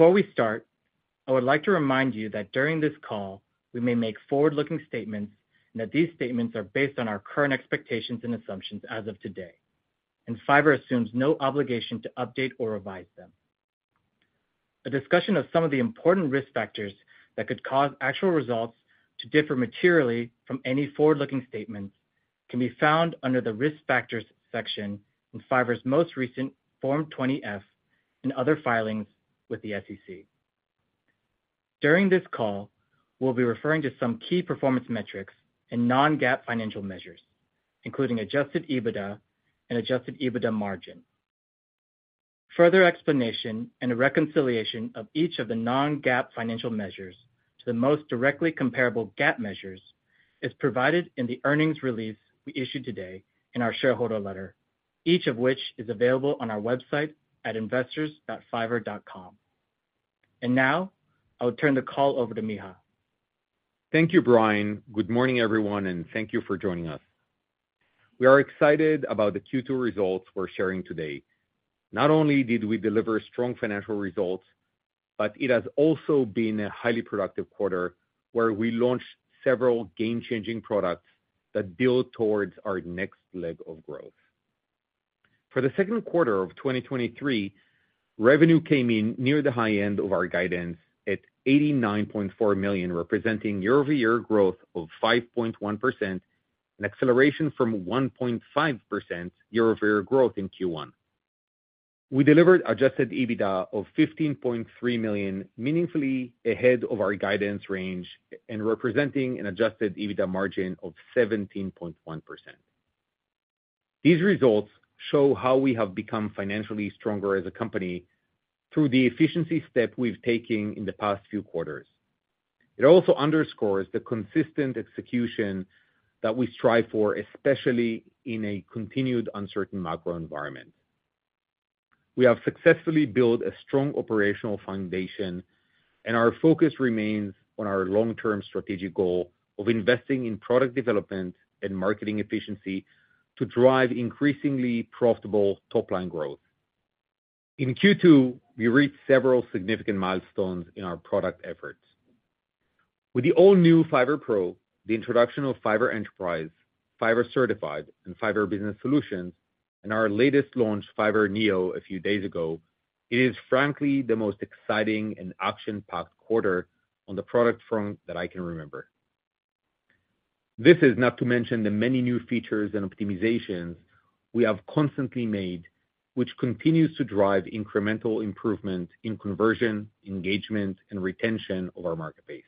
Before we start, I would like to remind you that during this call, we may make forward-looking statements, that these statements are based on our current expectations and assumptions as of today, Fiverr assumes no obligation to update or revise them. A discussion of some of the important risk factors that could cause actual results to differ materially from any forward-looking statements can be found under the Risk Factors section in Fiverr's most recent Form 20-F and other filings with the SEC. During this call, we'll be referring to some key performance metrics and non-GAAP financial measures, including adjusted EBITDA and adjusted EBITDA margin. Further explanation and a reconciliation of each of the non-GAAP financial measures to the most directly comparable GAAP measures is provided in the earnings release we issued today in our shareholder letter, each of which is available on our website at investors.fiverr.com. Now, I'll turn the call over to Micha. Thank you, Brian. Good morning, everyone, and thank you for joining us. We are excited about the Q2 results we're sharing today. Not only did we deliver strong financial results, but it has also been a highly productive quarter, where we launched several game-changing products that build towards our next leg of growth. For the second quarter of 2023, revenue came in near the high end of our guidance at $89.4 million, representing year-over-year growth of 5.1%, and acceleration from 1.5% year-over-year growth in Q1. We delivered adjusted EBITDA of $15.3 million, meaningfully ahead of our guidance range and representing an adjusted EBITDA margin of 17.1%. These results show how we have become financially stronger as a company through the efficiency step we've taken in the past few quarters. It also underscores the consistent execution that we strive for, especially in a continued uncertain macro environment. We have successfully built a strong operational foundation, and our focus remains on our long-term strategic goal of investing in product development and marketing efficiency to drive increasingly profitable top-line growth. In Q2, we reached several significant milestones in our product efforts. With the all-new Fiverr Pro, the introduction of Fiverr Enterprise, Fiverr Certified, and Fiverr Business Solutions, and our latest launch, Fiverr Neo, a few days ago, it is frankly the most exciting and action-packed quarter on the product front that I can remember. This is not to mention the many new features and optimizations we have constantly made, which continues to drive incremental improvement in conversion, engagement, and retention of our marketplace.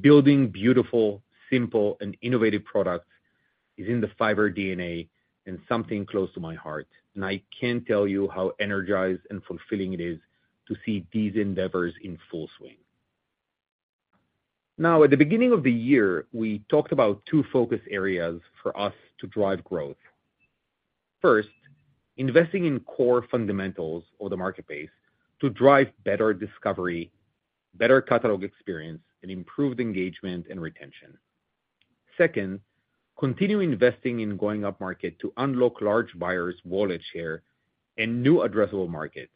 Building beautiful, simple, and innovative products is in the Fiverr DNA and something close to my heart. I can't tell you how energized and fulfilling it is to see these endeavors in full swing. Now, at the beginning of the year, we talked about two focus areas for us to drive growth. First, investing in core fundamentals of the marketplace to drive better discovery, better catalog experience, and improved engagement and retention. Second, continue investing in going up market to unlock large buyers' wallet share and new addressable markets.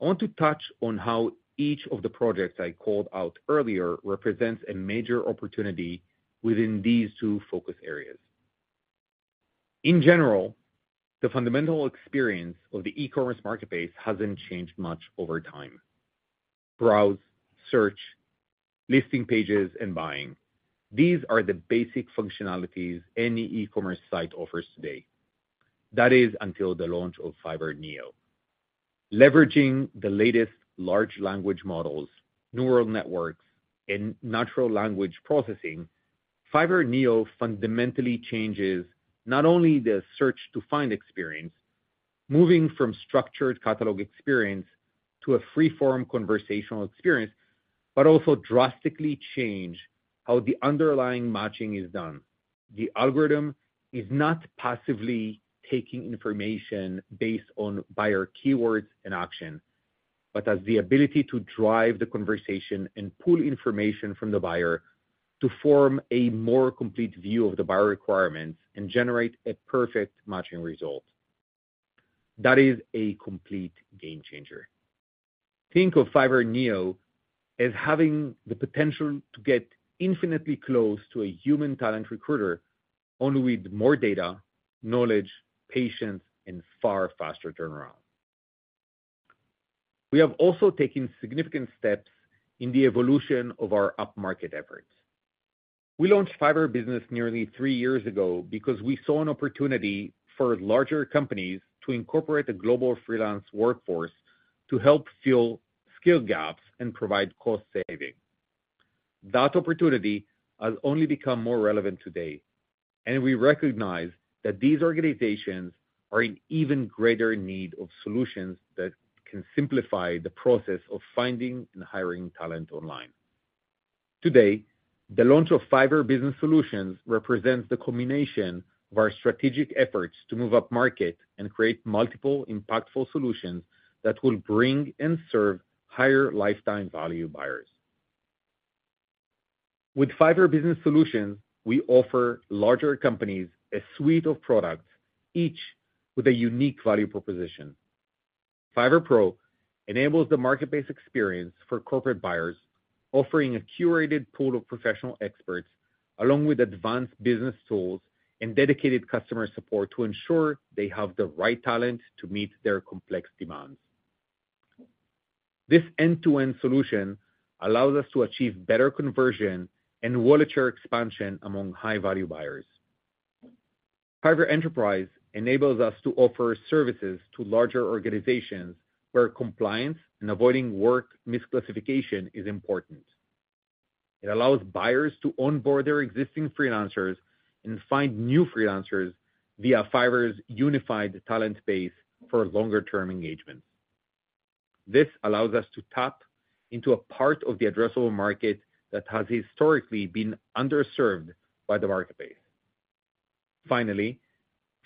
I want to touch on how each of the projects I called out earlier represents a major opportunity within these two focus areas. In general, the fundamental experience of the e-commerce marketplace hasn't changed much over time. Browse, search, listing pages, and buying. These are the basic functionalities any e-commerce site offers today. That is, until the launch of Fiverr Neo. Leveraging the latest large language models, neural networks, and natural language processing, Fiverr Neo fundamentally changes not only the search to find experience, moving from structured catalog experience to a free-form conversational experience, but also drastically change how the underlying matching is done. The algorithm is not passively taking information based on buyer keywords and action, but has the ability to drive the conversation and pull information from the buyer to form a more complete view of the buyer requirements and generate a perfect matching result. That is a complete game changer. Think of Fiverr Neo as having the potential to get infinitely close to a human talent recruiter, only with more data, knowledge, patience, and far faster turnaround. We have also taken significant steps in the evolution of our up-market efforts. We launched Fiverr Business nearly three years ago because we saw an opportunity for larger companies to incorporate the global freelance workforce to help fill skill gaps and provide cost saving. That opportunity has only become more relevant today, and we recognize that these organizations are in even greater need of solutions that can simplify the process of finding and hiring talent online. Today, the launch of Fiverr Business Solutions represents the culmination of our strategic efforts to move up market and create multiple impactful solutions that will bring and serve higher lifetime value buyers. With Fiverr Business Solutions, we offer larger companies a suite of products, each with a unique value proposition. Fiverr Pro enables the market-based experience for corporate buyers, offering a curated pool of professional experts, along with advanced business tools and dedicated customer support to ensure they have the right talent to meet their complex demands. This end-to-end solution allows us to achieve better conversion and wallet share expansion among high-value buyers. Fiverr Enterprise enables us to offer services to larger organizations, where compliance and avoiding worker misclassification is important. It allows buyers to onboard their existing freelancers and find new freelancers via Fiverr's unified talent base for longer-term engagement. This allows us to tap into a part of the addressable market that has historically been underserved by the marketplace. Finally,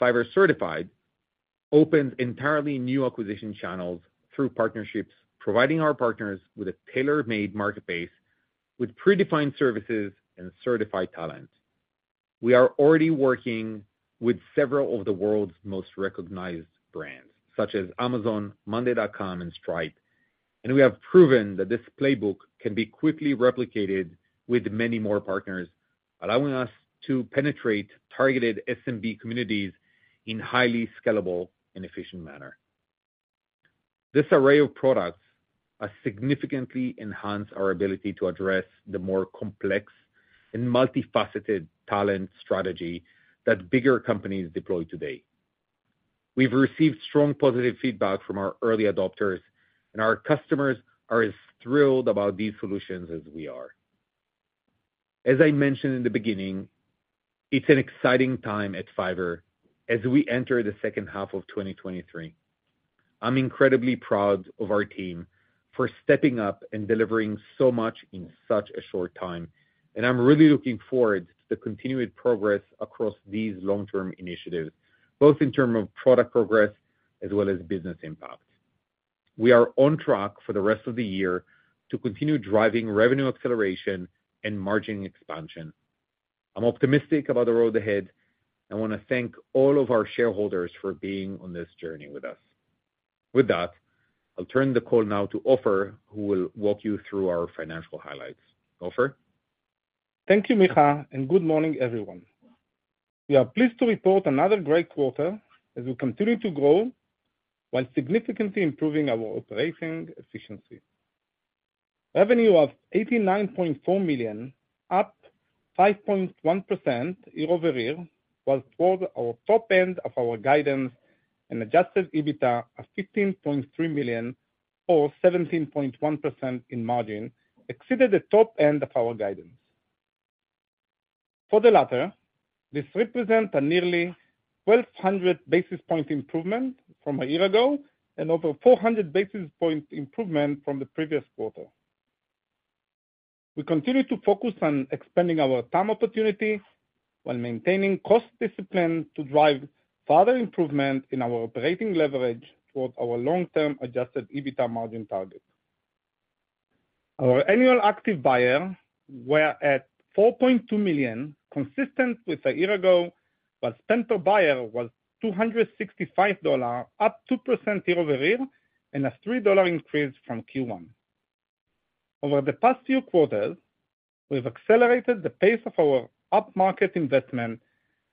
Fiverr Certified opens entirely new acquisition channels through partnerships, providing our partners with a tailor-made marketplace with predefined services and certified talent. We are already working with several of the world's most recognized brands, such as Amazon, monday.com, and Stripe, and we have proven that this playbook can be quickly replicated with many more partners, allowing us to penetrate targeted SMB communities in highly scalable and efficient manner. This array of products has significantly enhanced our ability to address the more complex and multifaceted talent strategy that bigger companies deploy today. We've received strong positive feedback from our early adopters. Our customers are as thrilled about these solutions as we are. As I mentioned in the beginning, it's an exciting time at Fiverr as we enter the second half of 2023. I'm incredibly proud of our team for stepping up and delivering so much in such a short time. I'm really looking forward to the continued progress across these long-term initiatives, both in terms of product progress as well as business impact. We are on track for the rest of the year to continue driving revenue acceleration and margin expansion. I'm optimistic about the road ahead. I want to thank all of our shareholders for being on this journey with us. With that, I'll turn the call now to Ofer, who will walk you through our financial highlights. Ofer? Thank you, Micha. Good morning, everyone. We are pleased to report another great quarter as we continue to grow while significantly improving our operating efficiency. Revenue of $89.4 million, up 5.1% year-over-year, while toward our top end of our guidance and adjusted EBITDA of $15.3 million or 17.1% in margin, exceeded the top end of our guidance. For the latter, this represent a nearly 1,200 basis point improvement from a year ago and over 400 basis point improvement from the previous quarter. We continue to focus on expanding our TAM opportunity while maintaining cost discipline to drive further improvement in our operating leverage towards our long-term adjusted EBITDA margin target. Our annual active buyer were at $4.2 million, consistent with a year ago, while spend per buyer was $265, up 2% year-over-year, and a $3 increase from Q1. Over the past few quarters, we've accelerated the pace of our upmarket investment,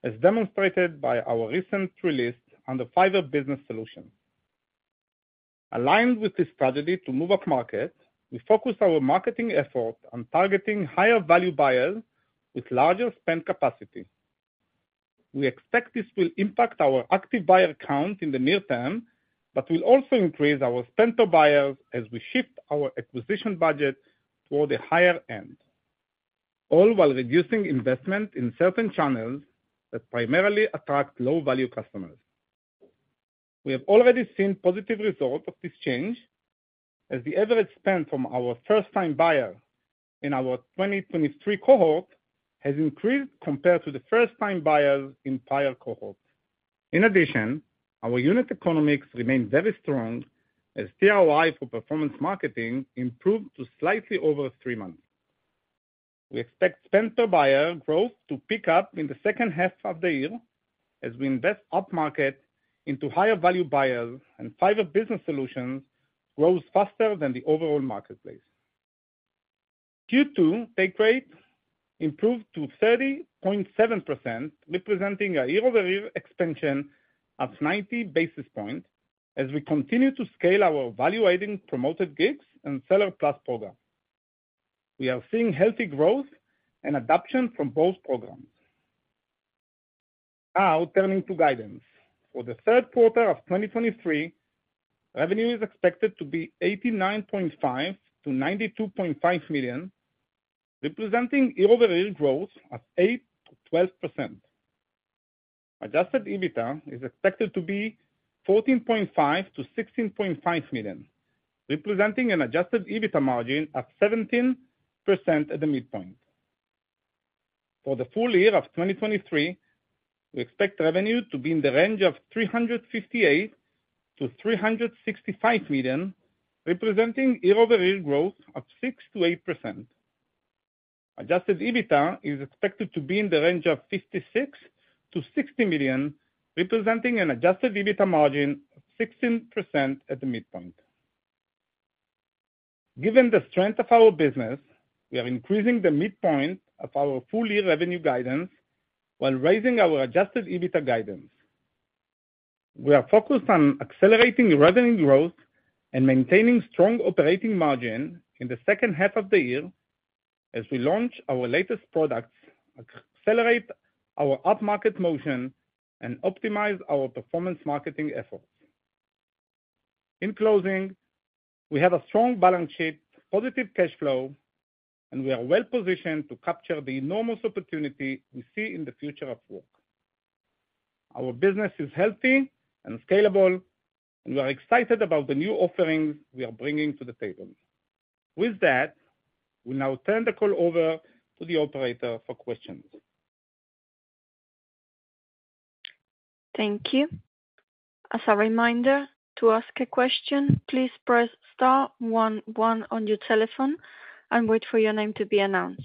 as demonstrated by our recent release on the Fiverr Business Solution. Aligned with this strategy to move upmarket, we focus our marketing effort on targeting higher value buyers with larger spend capacity. We expect this will impact our active buyer count in the near term, but will also increase our spend per buyers as we shift our acquisition budget toward the higher end, all while reducing investment in certain channels that primarily attract low-value customers. We have already seen positive results of this change, as the average spend from our first-time buyer in our 2023 cohort has increased compared to the first-time buyers in prior cohorts. In addition, our unit economics remain very strong as tROI for performance marketing improved to slightly over three months. We expect spend per buyer growth to pick up in the second half of the year as we invest upmarket into higher value buyers and Fiverr Business Solutions grows faster than the overall marketplace. Q2 take rate improved to 30.7%, representing a year-over-year expansion of 90 basis points, as we continue to scale our value-adding Promoted Gigs and Seller Plus program. We are seeing healthy growth and adoption from both programs. Now, turning to guidance. For the third quarter of 2023, revenue is expected to be $89.5 million-$92.5 million, representing year-over-year growth of 8%-12%. Adjusted EBITDA is expected to be $14.5 million-$16.5 million, representing an adjusted EBITDA margin of 17% at the midpoint. For the full year of 2023, we expect revenue to be in the range of $358 million-$365 million, representing year-over-year growth of 6%-8%. Adjusted EBITDA is expected to be in the range of $56 million-$60 million, representing an adjusted EBITDA margin of 16% at the midpoint. Given the strength of our business, we are increasing the midpoint of our full-year revenue guidance while raising our adjusted EBITDA guidance. We are focused on accelerating revenue growth and maintaining strong operating margin in the second half of the year as we launch our latest products, accelerate our upmarket motion, and optimize our performance marketing efforts. In closing, we have a strong balance sheet, positive cash flow, and we are well positioned to capture the enormous opportunity we see in the future of work. Our business is healthy and scalable. We are excited about the new offerings we are bringing to the table. With that, we now turn the call over to the operator for questions. Thank you. As a reminder, to ask a question, please press star one one on your telephone and wait for your name to be announced.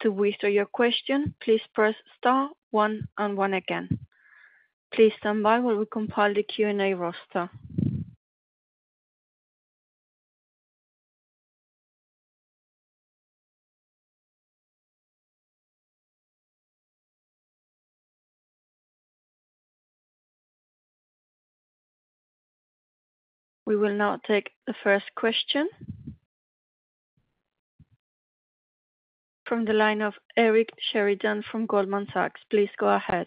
To withdraw your question, please press star one and one again. Please stand by while we compile the Q&A roster. We will now take the first question. From the line of Eric Sheridan from Goldman Sachs. Please go ahead.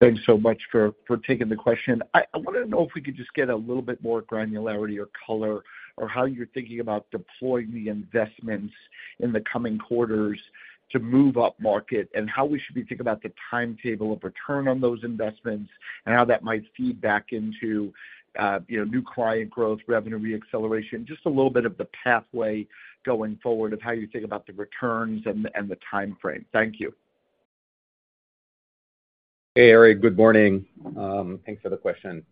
Thanks so much for, for taking the question. I, I wanted to know if we could just get a little bit more granularity or color, or how you're thinking about deploying the investments in the coming quarters to move upmarket, and how we should be thinking about the timetable of return on those investments and how that might feed back into, you know, new client growth, revenue re-acceleration. Just a little bit of the pathway going forward of how you think about the returns and the, and the timeframe. Thank you. Hey, Eric, good morning. Thanks for the question.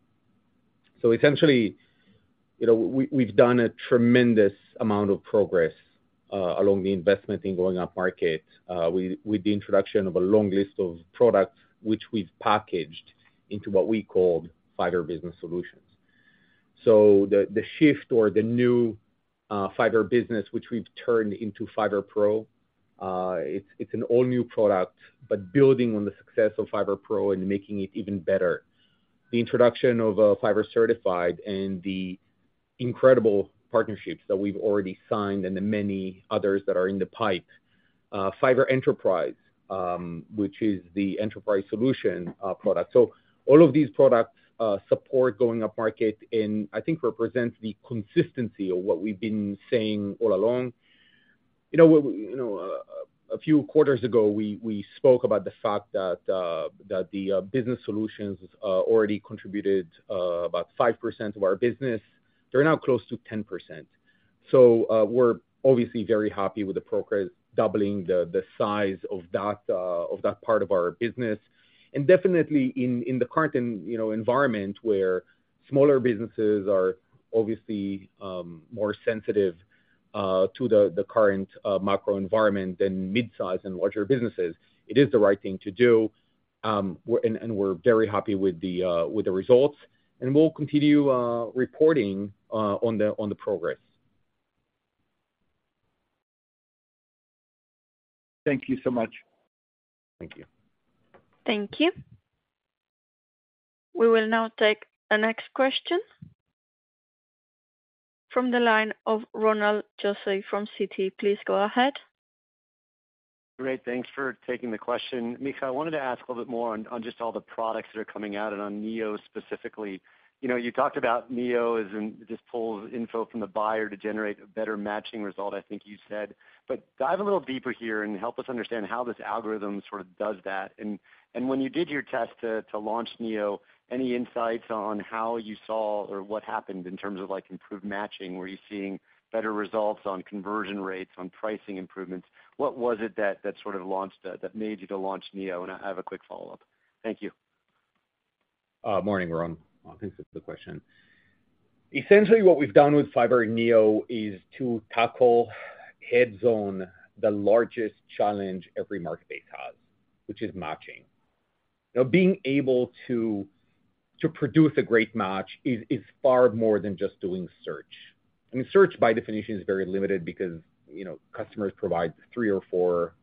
Essentially, you know, we, we've done a tremendous amount of progress along the investment in going upmarket with, with the introduction of a long list of products, which we've packaged into what we called Fiverr Business Solutions. The, the shift or the new Fiverr Business, which we've turned into Fiverr Pro, it's, it's an all new product, but building on the success of Fiverr Pro and making it even better. The introduction of Fiverr Certified and the incredible partnerships that we've already signed and the many others that are in the pipe. Fiverr Enterprise, which is the enterprise solution product. All of these products support going upmarket and I think represents the consistency of what we've been saying all along. You know, you know, a few quarters ago, we, we spoke about the fact that that the Business Solutions already contributed about 5% of our business. They're now close to 10%. We're obviously very happy with the progress, doubling the size of that part of our business. Definitely in the current, you know, environment, where smaller businesses are obviously, more sensitive to the current macro environment than mid-size and larger businesses, it is the right thing to do. We're very happy with the results, and we'll continue reporting on the progress. Thank you so much. Thank you. Thank you. We will now take the next question. From the line of Ronald Josey from Citi. Please go ahead. Great, thanks for taking the question. Micha, I wanted to ask a little bit more on, on just all the products that are coming out and on Neo specifically. You know, you talked about Neo as in, just pulls info from the buyer to generate a better matching result, I think you said. Dive a little deeper here and help us understand how this algorithm sort of does that. And, and when you did your test to, to launch Neo, any insights on how you saw or what happened in terms of, like, improved matching? Were you seeing better results on conversion rates, on pricing improvements? What was it that, that sort of launched that, that made you to launch Neo? I have a quick follow-up. Thank you. Morning, Ron. Thanks for the question. Essentially, what we've done with Fiverr Neo is to tackle head-on the largest challenge every marketplace has, which is matching. Now, being able to, to produce a great match is, is far more than just doing search. I mean, search by definition is very limited because, you know, customers provide three or four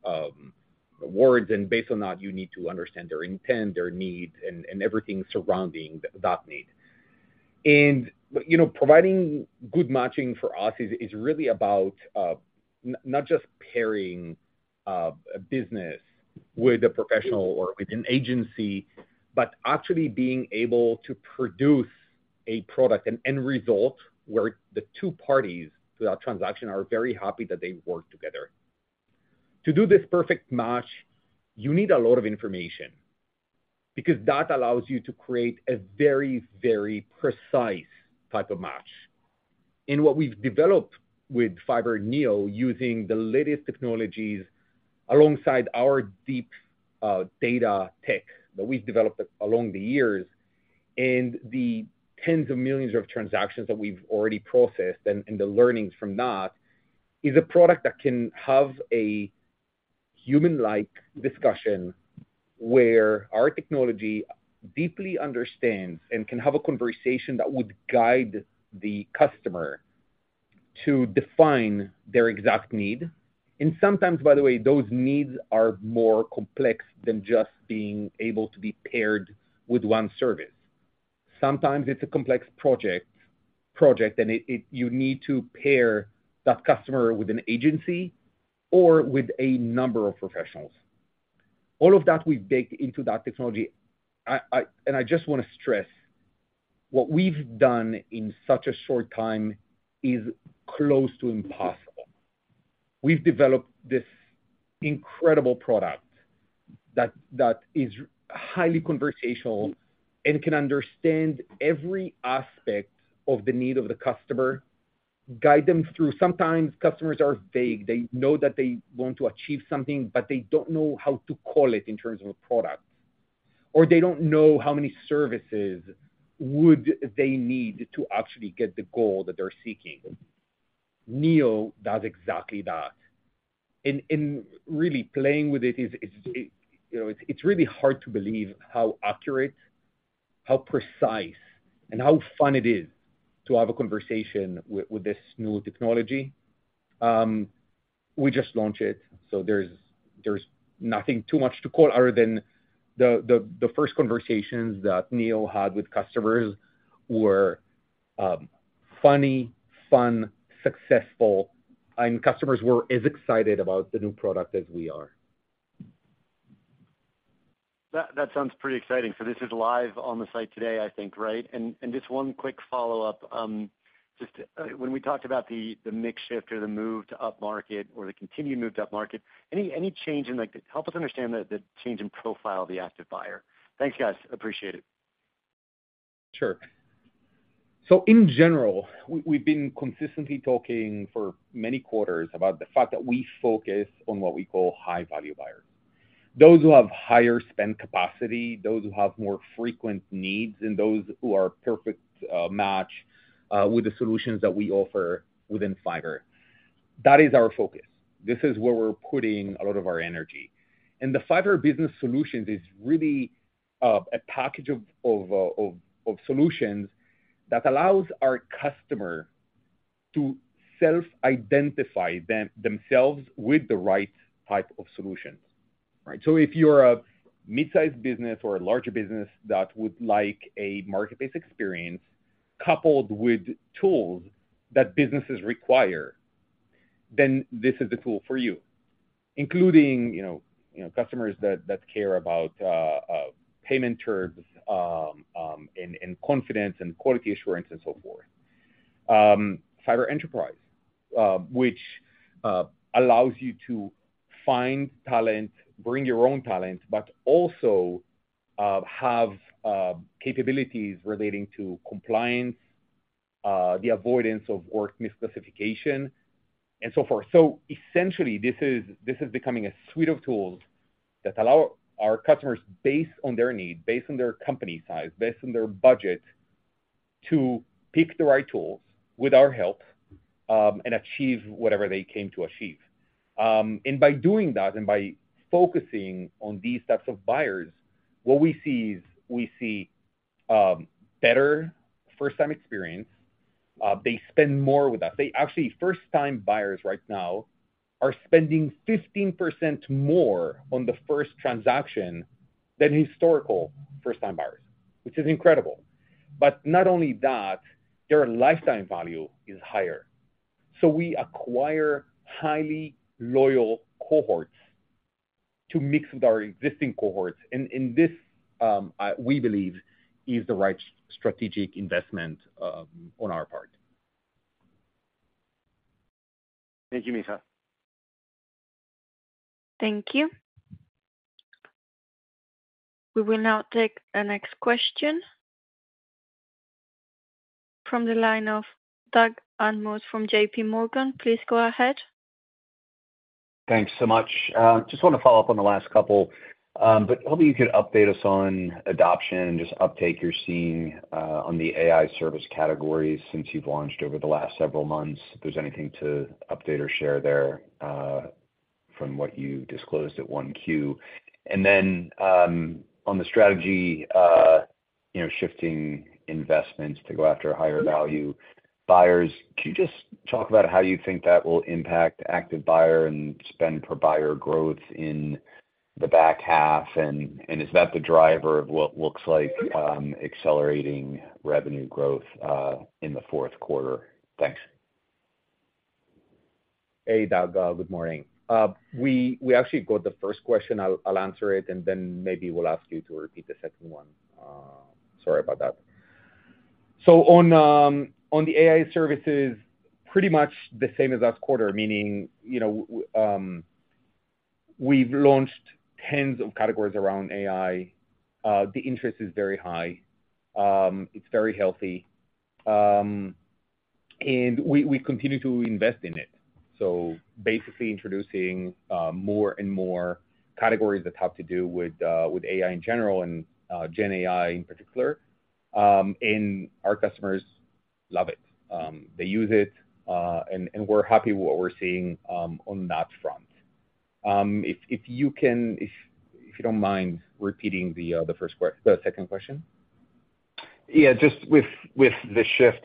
words, and based on that, you need to understand their intent, their needs, and everything surrounding that need. You know, providing good matching for us is, is really about not just pairing a business with a professional or with an agency, but actually being able to produce a product and end result, where the two parties to that transaction are very happy that they work together. To do this perfect match, you need a lot of information. Because that allows you to create a very, very precise type of match. What we've developed with Fiverr Neo, using the latest technologies alongside our deep, data tech that we've developed along the years, and the tens of millions of transactions that we've already processed and, and the learnings from that, is a product that can have a human-like discussion, where our technology deeply understands and can have a conversation that would guide the customer to define their exact need. Sometimes, by the way, those needs are more complex than just being able to be paired with one service. Sometimes it's a complex project, and you need to pair that customer with an agency or with a number of professionals. All of that we've baked into that technology. I just want to stress, what we've done in such a short time is close to impossible. We've developed this incredible product that, that is highly conversational and can understand every aspect of the need of the customer, guide them through. Sometimes customers are vague. They know that they want to achieve something, but they don't know how to call it in terms of a product, or they don't know how many services would they need to actually get the goal that they're seeking. Neo does exactly that. And really playing with it is, is, you know, it's really hard to believe how accurate, how precise, and how fun it is to have a conversation with, with this new technology. We just launched it, so there's, there's nothing too much to call other than the, the, the first conversations that Neo had with customers were, funny, fun, successful, and customers were as excited about the new product as we are. That, that sounds pretty exciting. This is live on the site today, I think, right? Just one quick follow-up. Just when we talked about the, the mix shift or the move to upmarket or the continued move to upmarket, any, any change in like the—help us understand the, the change in profile of the active buyer. Thanks, guys, appreciate it. Sure. So in general, we've been consistently talking for many quarters about the fact that we focus on what we call high-value buyers. Those who have higher spend capacity, those who have more frequent needs, and those who are a perfect match with the solutions that we offer within Fiverr. That is our focus. This is where we're putting a lot of our energy. The Fiverr Business Solutions is really a package of, of, of, of solutions that allows our customer to self-identify themselves with the right type of solutions, right? If you're a mid-sized business or a larger business that would like a marketplace experience coupled with tools that businesses require, then this is the tool for you. Including, you know, you know, customers that, that care about payment terms, and confidence and quality assurance and so forth. Fiverr Enterprise, which allows you to find talent, bring your own talent, but also have capabilities relating to compliance, the avoidance of worker misclassification and so forth. Essentially, this is, this is becoming a suite of tools that allow our customers, based on their need, based on their company size, based on their budget, to pick the right tools with our help, and achieve whatever they came to achieve. By doing that, and by focusing on these types of buyers, what we see is we see better first-time experience. They spend more with us. They actually, first-time buyers right now are spending 15% more on the first transaction than historical first-time buyers, which is incredible. Not only that, their lifetime value is higher. We acquire highly loyal cohorts to mix with our existing cohorts, and this, we believe, is the right strategic investment on our part. Thank you, Micha. Thank you. We will now take the next question from the line of Doug Anmuth from JPMorgan. Please go ahead. Thanks so much. Just want to follow up on the last couple. Maybe you could update us on adoption and just uptake you're seeing on the AI service categories since you've launched over the last several months. If there's anything to update or share there from what you disclosed at 1Q. You know, on the strategy, shifting investments to go after higher value buyers, can you just talk about how you think that will impact active buyer and spend per buyer growth in the back half? Is that the driver of what looks like accelerating revenue growth in the fourth quarter? Thanks. Hey, Doug, good morning. We, we actually got the first question. I'll, I'll answer it, and then maybe we'll ask you to repeat the second one. Sorry about that. On the AI services, pretty much the same as last quarter, meaning, you know, we've launched tens of categories around AI. The interest is very high, it's very healthy, and we, we continue to invest in it. Basically introducing more and more categories that have to do with AI in general and Gen AI in particular. Our customers love it. They use it, and, and we're happy with what we're seeing on that front. If, if you don't mind repeating the first the second question. Yeah, just with, with the shift,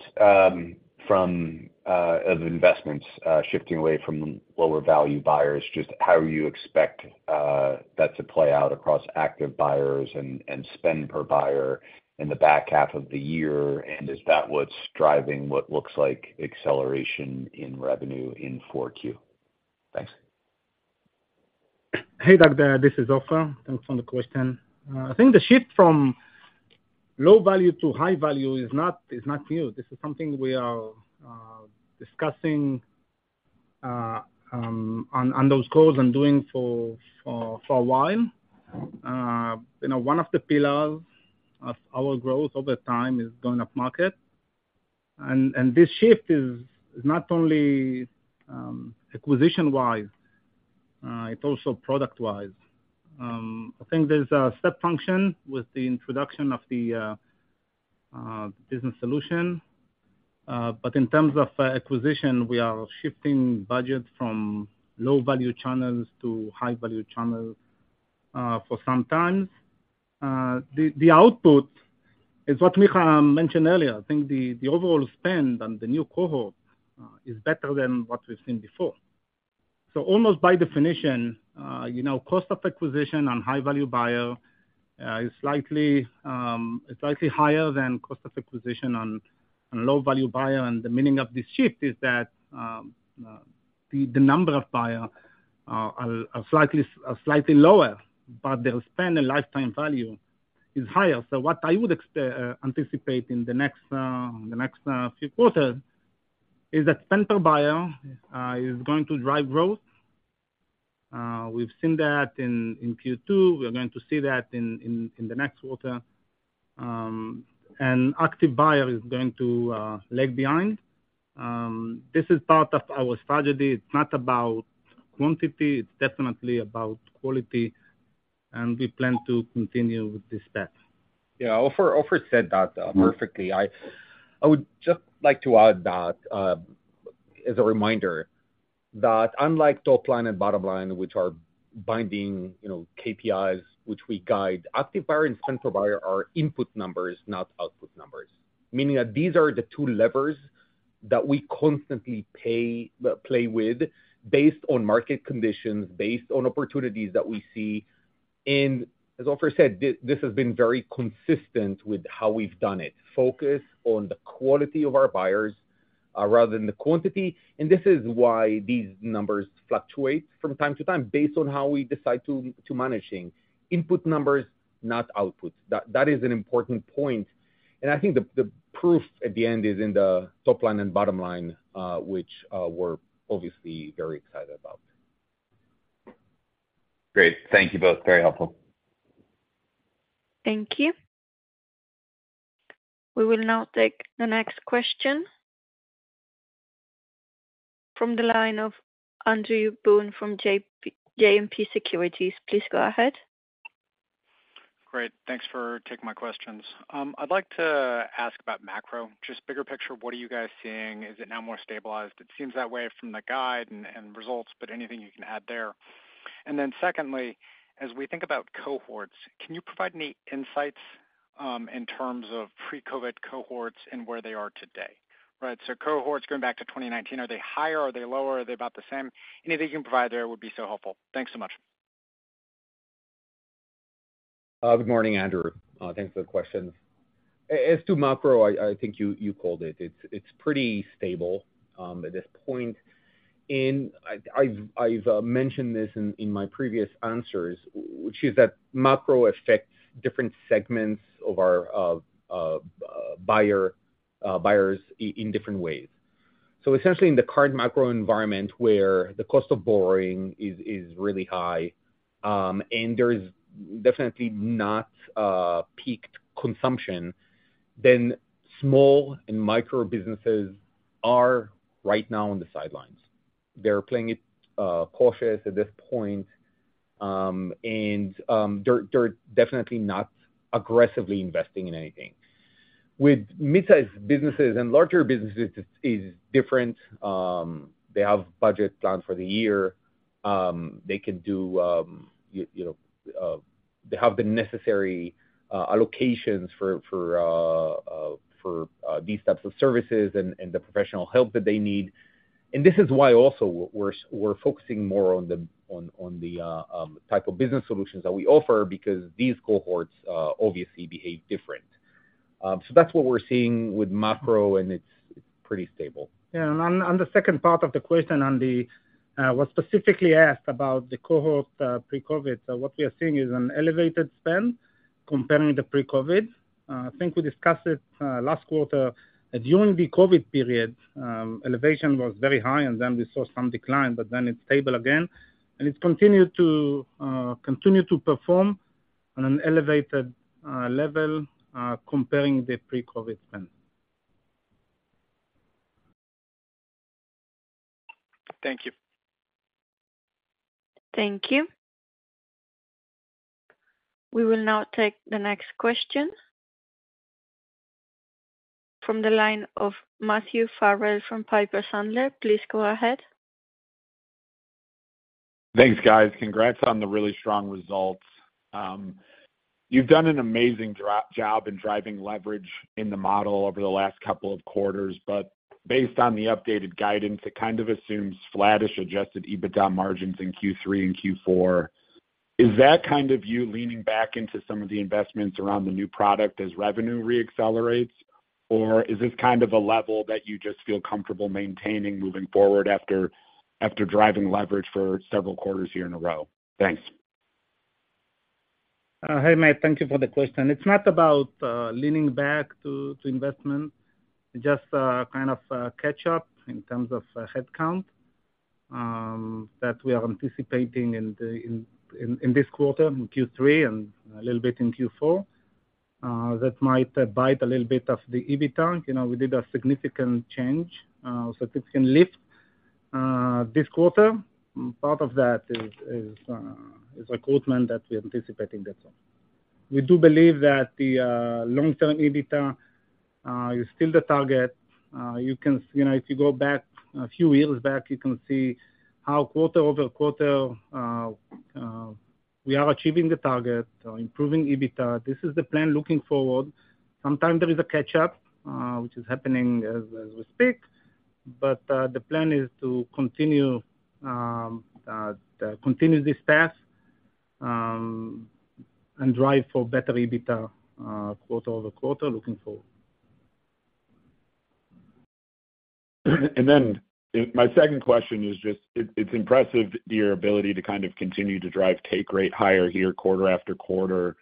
from, of investments, shifting away from lower value buyers, just how you expect that to play out across active buyers and, and spend per buyer in the back half of the year? And is that what's driving what looks like acceleration in revenue in 4Q? Thanks. Hey, Doug, this is Ofer. Thanks for the question. I think the shift from low value to high value is not, is not new. This is something we are discussing on those calls and doing for, for, for a while. You know, one of the pillars of our growth over time is going upmarket. This shift is, is not only acquisition-wise, it's also product-wise. I think there's a step function with the introduction of the Business Solutions. But in terms of acquisition, we are shifting budget from low-value channels to high-value channels for some time. The, the output is what Michael mentioned earlier. I think the, the overall spend on the new cohort is better than what we've seen before. Almost by definition, you know, cost of acquisition on high-value buyer is slightly, is slightly higher than cost of acquisition on, on low-value buyer. The meaning of this shift is that the, the number of buyer are, are slightly, are slightly lower, but their spend and lifetime value is higher. What I would anticipate in the next, the next, few quarters, is that center buyer is going to drive growth. We've seen that in, in Q2. We're going to see that in, in, in the next quarter. Active buyer is going to lag behind. This is part of our strategy. It's not about quantity, it's definitely about quality, and we plan to continue with this path. Yeah, Ofer, Ofer said that perfectly. I, I would just like to add that as a reminder, that unlike top line and bottom line, which are binding, you know, KPIs, which we guide, active buyer and center buyer are input numbers, not output numbers. Meaning that these are the two levers that we constantly play with, based on market conditions, based on opportunities that we see. And as Ofer said, this has been very consistent with how we've done it. Focus on the quality of our buyers, rather than the quantity. And this is why these numbers fluctuate from time to time, based on how we decide to managing input numbers, not outputs. That, that is an important point. I think the, the proof at the end is in the top line and bottom line, which we're obviously very excited about. Great. Thank you both. Very helpful. Thank you. We will now take the next question. From the line of Andrew Boone, from JMP Securities. Please go ahead. Great, thanks for taking my questions. I'd like to ask about macro, just bigger picture, what are you guys seeing? Is it now more stabilized? It seems that way from the guide and results, but anything you can add there? Secondly, as we think about cohorts, can you provide any insights, in terms of pre-COVID cohorts and where they are today, right? Cohorts going back to 2019, are they higher, are they lower? Are they about the same? Anything you can provide there would be so helpful. Thanks so much. Good morning, Andrew. Thanks for the questions. As to macro, I, I think you, you called it. It's, it's pretty stable at this point. I'd, I've, I've mentioned this in, in my previous answers, which is that macro affects different segments of our buyer buyers in different ways. Essentially in the current macro environment, where the cost of borrowing is, is really high, and there is definitely not peaked consumption, then small and micro businesses are right now on the sidelines. They're playing it cautious at this point, and they're, they're definitely not aggressively investing in anything. With mid-sized businesses and larger businesses, it is different, they have budget plans for the year. They can do, you know, they have the necessary allocations for, for these types of services and the professional help that they need. This is why also we're, we're focusing more on the, on, on the type of business solutions that we offer, because these cohorts obviously behave different. That's what we're seeing with macro, and it's pretty stable. Yeah, and on, on the second part of the question on the what specifically asked about the cohort pre-COVID. What we are seeing is an elevated spend comparing the pre-COVID. I think we discussed it last quarter. During the COVID period, elevation was very high, and then we saw some decline, but then it's stable again. It's continued to continue to perform on an elevated level comparing the pre-COVID spend. Thank you. Thank you. We will now take the next question from the line of Matthew Farrell from Piper Sandler. Please go ahead. Thanks, guys. Congrats on the really strong results. You've done an amazing job in driving leverage in the model over the last couple of quarters. Based on the updated guidance, it kind of assumes flattish adjusted EBITDA margins in Q3 and Q4. Is that kind of you leaning back into some of the investments around the new product as revenue re-accelerates? Or is this kind of a level that you just feel comfortable maintaining moving forward after driving leverage for several quarters here in a row? Thanks. Hi, Matt, thank you for the question. It's not about leaning back to, to investment. It's just kind of a catch-up in terms of headcount that we are anticipating in the, in, in, in this quarter, in Q3 and a little bit in Q4. That might bite a little bit of the EBITDA. You know, we did a significant change, so it can lift this quarter. Part of that is, is recruitment that we're anticipating that. We do believe that the long-term EBITDA is still the target. You can, you know, if you go back, a few years back, you can see how quarter-over-quarter we are achieving the target, improving EBITDA. This is the plan looking forward. Sometimes there is a catch up, which is happening as, as we speak, but, the plan is to continue, to continue this path, and drive for better EBITDA, quarter-over-quarter, looking forward. Then, my second question is just, it, it's impressive your ability to kind of continue to drive take rate higher here, quarter-after-quarter.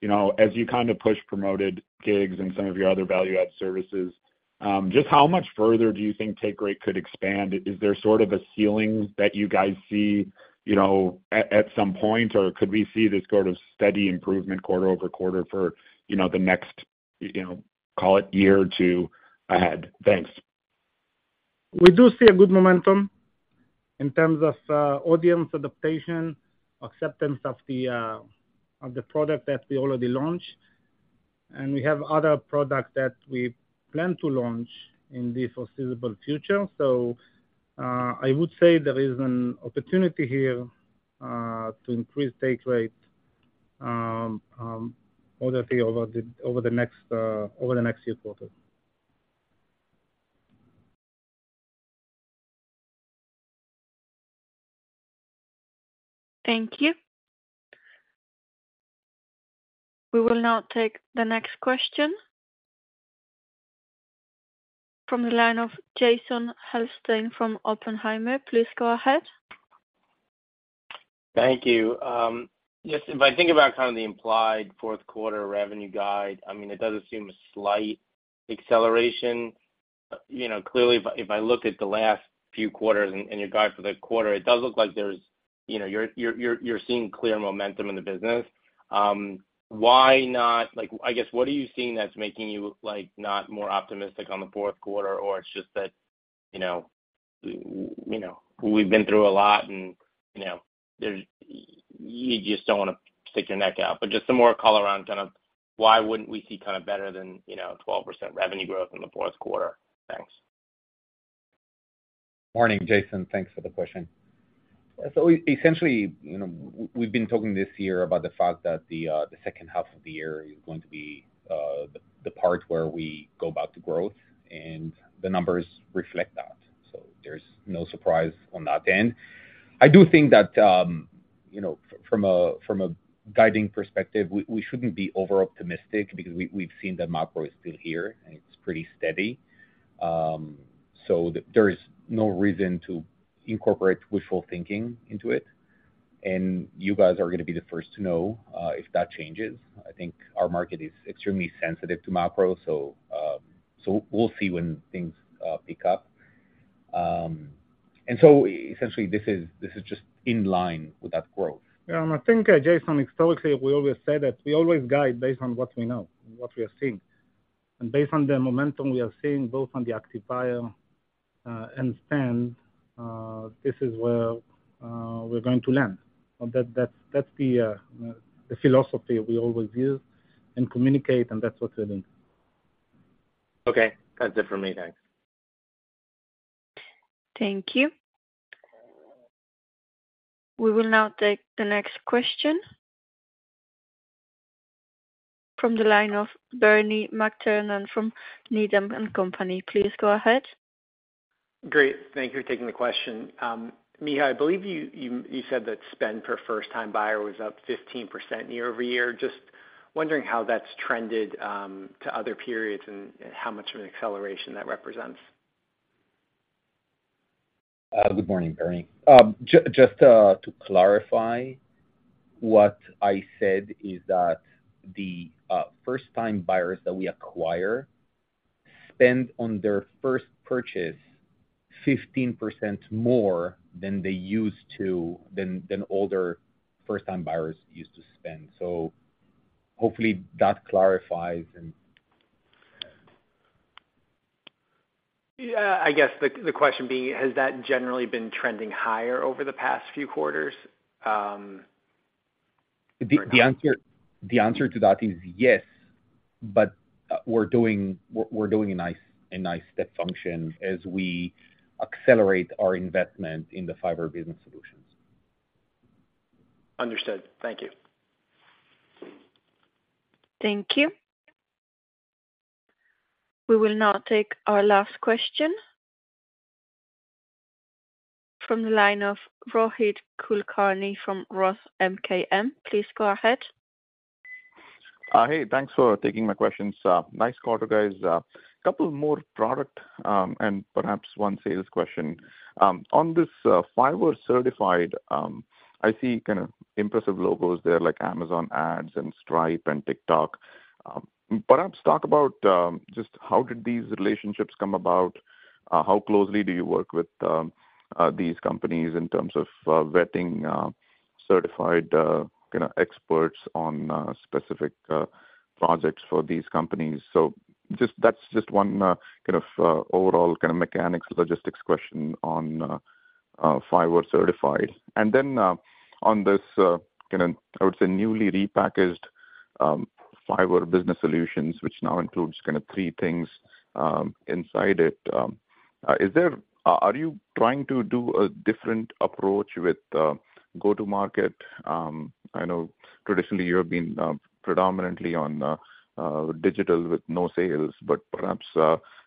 You know, as you kind of push Promoted Gigs and some of your other value-add services, just how much further do you think take rate could expand? Is there sort of a ceiling that you guys see, you know, at, at some point, or could we see this sort of steady improvement quarter over quarter for, you know, the next, you know, call it year or two ahead? Thanks. We do see a good momentum in terms of audience adaptation, acceptance of the product that we already launched, and we have other products that we plan to launch in the foreseeable future. I would say there is an opportunity here to increase take rate over the over the over the next over the next few quarters. Thank you. We will now take the next question. From the line of Jason Helfstein from Oppenheimer. Please go ahead. Thank you. Just if I think about kind of the implied fourth quarter revenue guide, I mean, it does assume a slight acceleration. You know, clearly, if I, if I look at the last few quarters and, and your guide for the quarter, it does look like there's, you know, you're, you're, you're seeing clear momentum in the business. Why not, like I guess, what are you seeing that's making you, like, not more optimistic on the fourth quarter? Or it's just that, you know, you know, we've been through a lot and, you know, there's, you just don't want to stick your neck out? Just some more color around kind of why wouldn't we see kind of better than, you know, 12% revenue growth in the fourth quarter? Thanks. Morning, Jason. Thanks for the question. Essentially, you know, we've been talking this year about the fact that the second half of the year is going to be the part where we go back to growth, and the numbers reflect that, so there's no surprise on that end. I do think that, you know, from a, from a guiding perspective, we, we shouldn't be overoptimistic because we, we've seen the macro is still here, and it's pretty steady. There is no reason to incorporate wishful thinking into it, and you guys are going to be the first to know if that changes. I think our market is extremely sensitive to macro, so, so we'll see when things pick up. Essentially, this is, this is just in line with that growth. Yeah, I think, Jason, historically, we always say that we always guide based on what we know and what we are seeing. Based on the momentum we are seeing, both on the active buyer, and spend, this is where, we're going to land. That, that's, that's the, the philosophy we always use and communicate, and that's what we're doing. Okay. That's it for me. Thanks. Thank you. We will now take the next question. From the line of Bernie McTernan from Needham & Company. Please go ahead. Great. Thank you for taking the question. Micha, I believe you, you said that spend per first-time buyer was up 15% year-over-year. Just wondering how that's trended to other periods and how much of an acceleration that represents? Good morning, Bernie. Just to clarify, what I said is that the first-time buyers that we acquire spend on their first purchase 15% more than they used to, than, than older first-time buyers used to spend. Hopefully that clarifies. Yeah, I guess the, the question being, has that generally been trending higher over the past few quarters? The, the answer, the answer to that is yes, but, we're doing, we're, we're doing a nice, a nice step function as we accelerate our investment in the Fiverr Business Solutions. Understood. Thank you. Thank you. We will now take our last question from the line of Rohit Kulkarni from ROTH MKM. Please go ahead. Hey, thanks for taking my questions. Nice call you guys. Couple more product, and perhaps one sales question. On this Fiverr Certified, I see kind of impressive logos there like Amazon Ads and Stripe and TikTok. Perhaps talk about just how did these relationships come about? How closely do you work with these companies in terms of vetting certified, you know, experts on specific projects for these companies? So just, that's just one kind of overall kind of mechanics logistics question on Fiverr Certified. Then on this kind of, I would say, newly repackaged Fiverr Business Solutions, which now includes kind of three things inside it. Are, are you trying to do a different approach with go-to-market? I know traditionally you have been, predominantly on, digital with no sales, but perhaps,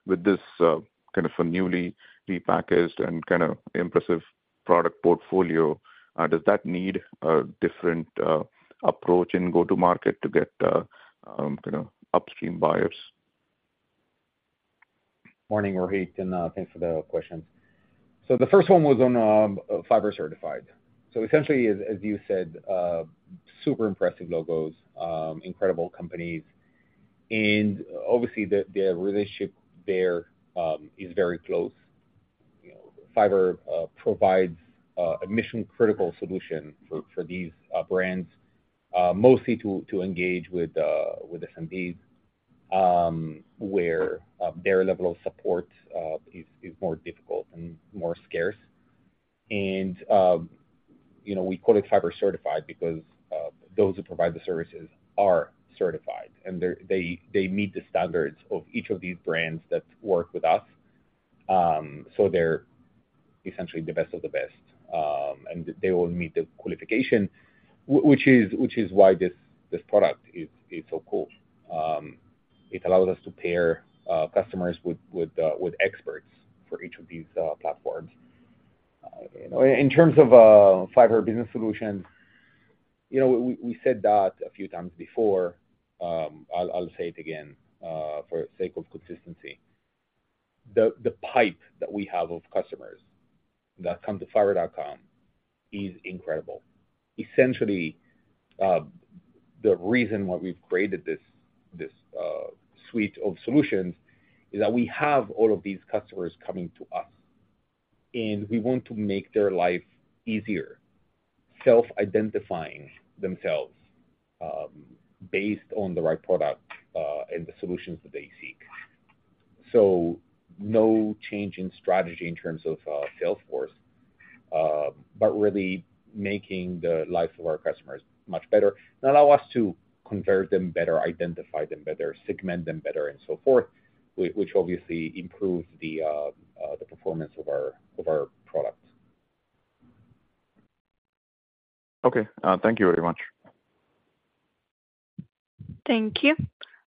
with this, kind of a newly repackaged and kind of impressive product portfolio, does that need a different, approach in go-to-market to get, you know, upstream buyers? Morning, Rohit, and thanks for the questions. The first one was on Fiverr Certified. Essentially, as, as you said, super impressive logos, incredible companies, and obviously, the, the relationship there is very close. You know, Fiverr provides a mission-critical solution for, for these brands, mostly to, to engage with SMBs, where their level of support is, is more difficult and more scarce. You know, we call it Fiverr Certified because those who provide the services are certified, and they're, they, they meet the standards of each of these brands that work with us. They're essentially the best of the best, and they all meet the qualification, which is, which is why this, this product is, is so cool. It allows us to pair customers with, with experts for each of these platforms. You know, in terms of Fiverr Business Solutions, you know, we, we said that a few times before. I'll, I'll say it again for sake of consistency. The, the pipe that we have of customers that come to fiverr.com is incredible. Essentially, the reason why we've created this, this suite of solutions is that we have all of these customers coming to us, and we want to make their life easier, self-identifying themselves based on the right product and the solutions that they seek. So, no change in strategy in terms of sales force, but really making the life of our customers much better and allow us to convert them better, identify them better, segment them better, and so forth, which obviously improves the performance of our, of our products. Okay. thank you very much. Thank you.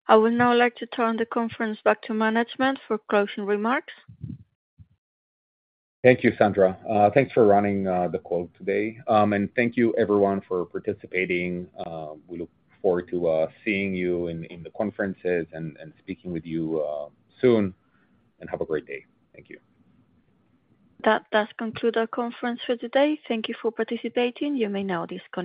I would now like to turn the conference back to management for closing remarks. Thank you, Sandra. Thanks for running the call today. Thank you everyone for participating. We look forward to seeing you in, in the conferences and speaking with you soon, and have a great day. Thank you. That does conclude our conference for today. Thank you for participating. You may now disconnect.